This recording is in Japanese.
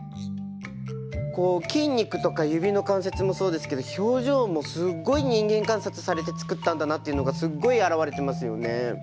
こう筋肉とか指の関節もそうですけど表情もすっごい人間観察されて作ったんだなっていうのがすっごい表れてますよね。